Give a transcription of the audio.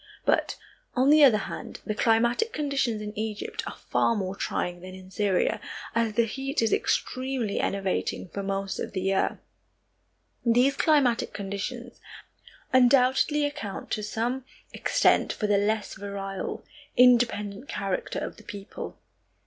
But, on the other hand, the climatic conditions in Egypt are far more trying than in Syria, as the heat is extremely enervating for most of the year. These climatic conditions undoubtedly account to some extent for the less virile, independent character of the people.